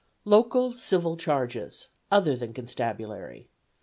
Local Civil Charges other than Constabulary